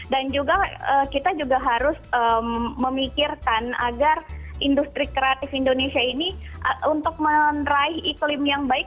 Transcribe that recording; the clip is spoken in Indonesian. dan juga kita juga harus memikirkan agar industri kreatif indonesia ini untuk menerai iklim yang baik